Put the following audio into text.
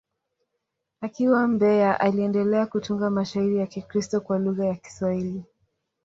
Akiwa Mbeya, aliendelea kutunga mashairi ya Kikristo kwa lugha ya Kiswahili.